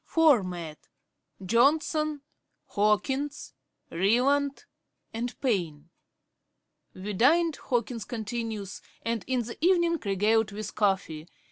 Four met Johnson, Hawkins, Ryland, and Payne (ante, i. 243). 'We dined,' Hawkins continues, 'and in the evening regaled with coffee.